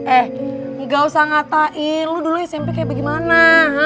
eh ga usah ngatain lo dulu smp kayak gimana